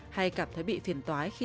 hay cảm thấy bị phiền tói khi